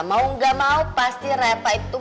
mau nggak mau pasti repa itu